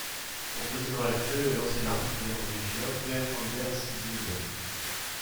Son président actuel est l'ancien arbitre norvégien Per-Anders Blind.